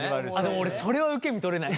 でも俺それは受け身取れない。